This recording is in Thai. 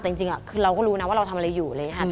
แต่จริงคือเราก็รู้นะว่าเราทำอะไรอยู่อะไรอย่างนี้ค่ะ